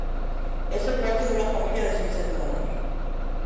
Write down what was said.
Es el cuarto de una familia de seis hermanos.